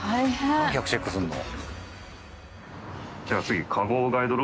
４００チェックすんの？